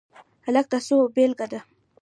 هلک د هڅو بیلګه ده.